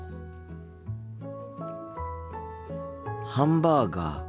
ハンバーガー。